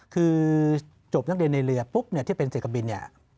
คือจบนักเรียนในเรือปุ๊บเนี่ยที่เป็นเศรษฐินเนี่ย